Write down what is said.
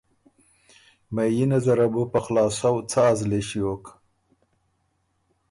مهيينه زره بو په خلاصؤ څا زلی ݭیوک؟